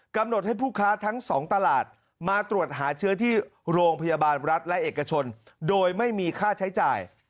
กำหนดให้ผู้ค้าทั้งสองตลาดมาตรวจหาเชื้อที่โรงพยาบาลรัฐและเอกชนโดยไม่มีค่าใช้จ่าย